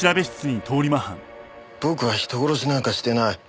僕は人殺しなんかしてない。